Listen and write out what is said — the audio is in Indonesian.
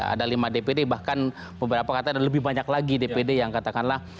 ada lima dpd bahkan beberapa kata ada lebih banyak lagi dpd yang katakanlah